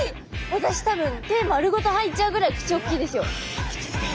私多分手丸ごと入っちゃうぐらい口おっきいですよ。